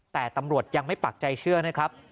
แต่ตำรวจยังไม่ปักใจเชื่อนะครับ